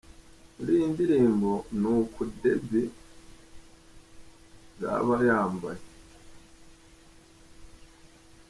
Muri iyi ndirimbo ni uku Debby zaba yambaye.